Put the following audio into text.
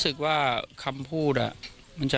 แล้วอันนี้ก็เปิดแล้ว